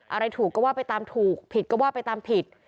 อะไรถูกก็ว่าไปตามถูกผิดก็ว่าไปตามผิด